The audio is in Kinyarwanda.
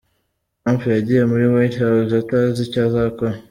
Trump yagiye muri White House atazi icyo azakora.